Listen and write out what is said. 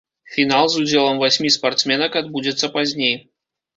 Фінал з удзелам васьмі спартсменак адбудзецца пазней.